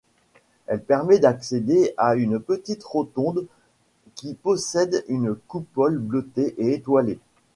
Elle permet d'accéder à une petite rotonde qui possède une coupole bleutée et étoilée.